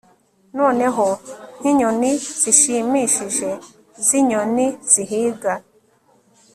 Noneho nkinyoni zishimishije zinyoni zihiga